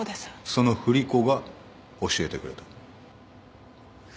その振り子が教えてくれた？